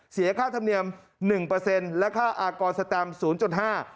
เสียค่าธรรมเนียม๑และค่าอากรแสตมป์๐๕